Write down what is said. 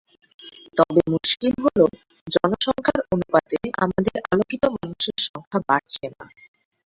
তবে মুশকিল হলো, জনসংখ্যার অনুপাতে আমাদের আলোকিত মানুষের সংখ্যা বাড়ছে না।